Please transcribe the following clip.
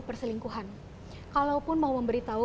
perselingkuhan kalaupun mau memberitahu